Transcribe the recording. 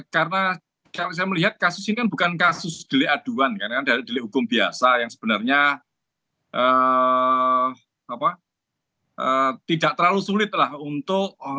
karena kalau saya melihat kasus ini bukan kasus delik aduan karena ada delik hukum biasa yang sebenarnya tidak terlalu sulit untuk